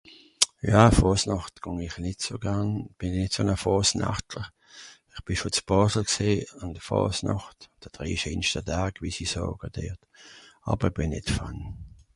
jà faasnàcht gàng'ir nìt so garn bìn nìt so nr faasnàchter ir bìn schò ... gsé àn de faasnàcht de drei scheenscht tag wie sie sàre dert àber bìn nìt fan